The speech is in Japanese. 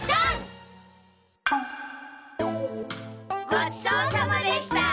ごちそうさまでした！